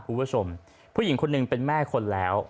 คุณผู้ชมผู้หญิงคนหนึ่งเป็นแม่คนแล้ว